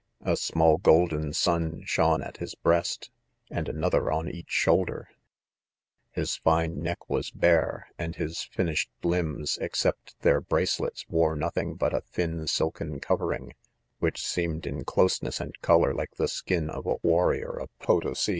' A .small ! goldefi^ srafc^stepfilat" his breast^ and another on each ^hoiilder ~ His fine neck was' tee 5 and hid itnl§h~eci1iinfes f 146 IDOMEN. except their .bracelets, bore nothing* hut a thin silken covering, which seemed, in closeness and colour, like the skin, of a warrior of Potosi.